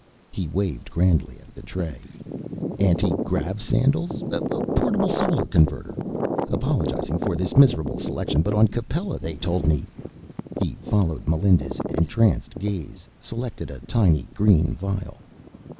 He waved grandly at the tray. "Anti grav sandals? A portable solar converter? Apologizing for this miserable selection, but on Capella they told me " He followed Melinda's entranced gaze, selected a tiny green vial.